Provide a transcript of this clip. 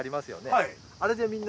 はい。